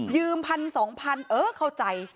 พันสองพันเออเข้าใจ